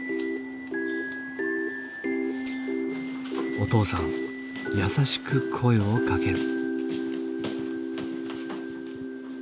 お父さん優しく声をかける。